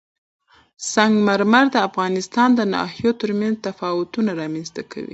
سنگ مرمر د افغانستان د ناحیو ترمنځ تفاوتونه رامنځ ته کوي.